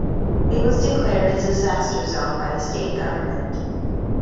It was declared a disaster zone by the State Government.